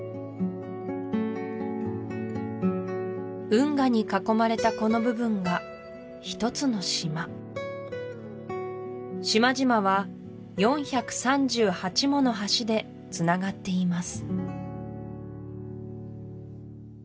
運河に囲まれたこの部分が１つの島島々は４３８もの橋でつながっています